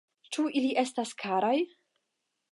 Ĉu ili estas karaj?